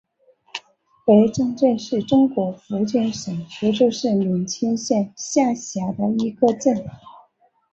白樟镇是中国福建省福州市闽清县下辖的一个镇。